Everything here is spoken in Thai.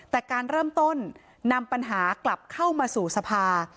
แต่การเริ่มต้นนำปัญหากลับเข้ามาสู่สภา